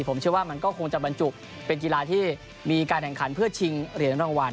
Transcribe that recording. ผมเชื่อว่ามันก็คงจะบรรจุเป็นกีฬาที่มีการแข่งขันเพื่อชิงเหรียญรางวัล